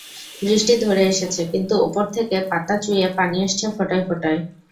বৃষ্টি ধরে এসেছে কিন্তু ওপর থেকে পাতা চুইয়ে পানি আসছে ফোঁটায় ফোঁটায়।